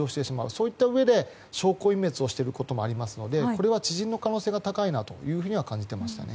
そういったうえで証拠隠滅を図る可能性があるのでこれは知人の可能性が高いと感じていましたね。